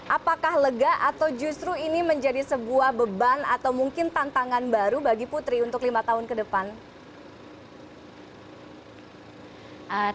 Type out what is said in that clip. apakah lega atau justru ini menjadi sebuah beban atau mungkin tantangan baru bagi putri untuk lima tahun ke depan